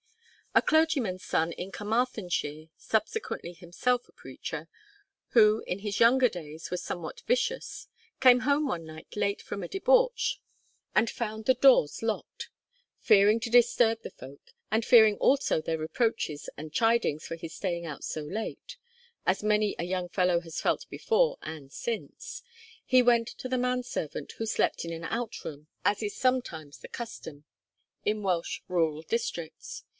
A clergyman's son in Carmarthenshire, (subsequently himself a preacher,) who in his younger days was somewhat vicious, came home one night late from a debauch, and found the doors locked. Fearing to disturb the folk, and fearing also their reproaches and chidings for his staying out so late, (as many a young fellow has felt before and since,) he went to the man servant, who slept in an out room, as is sometimes the custom in Welsh rural districts.